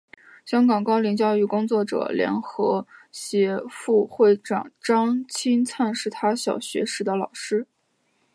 香港高龄教育工作者联会副会长张钦灿是他小学时的老师。